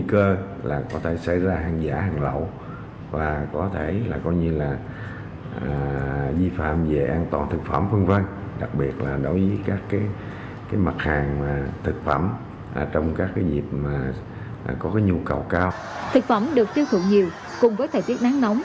cùng với thời tiết nắng nóng